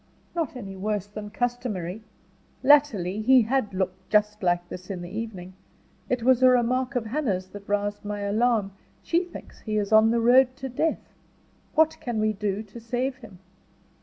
"Not any worse than customary. Latterly he had looked just like this in the evening. It was a remark of Hannah's that roused my alarm: she thinks he is on the road to death. What can we do to save him?"